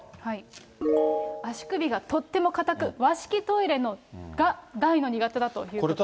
足首がとっても硬く、和式トイレが大の苦手だということです。